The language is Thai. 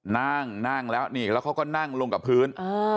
นั่งนั่งแล้วนี่แล้วเขาก็นั่งลงกับพื้น